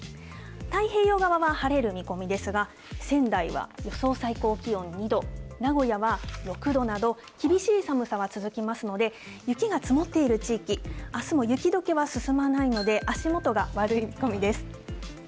太平洋側は晴れる見込みですが、仙台は予想最高気温２度、名古屋は６度など、厳しい寒さは続きますので、雪が積もっている地域、あすも雪どけは進まないので、足元が悪い見込みです。